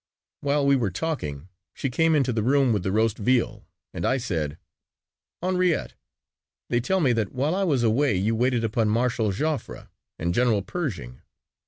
While we were talking she came into the room with the roast veal and I said, "Henriette, they tell me that while I was away you waited upon Marshal Joffre and General Pershing."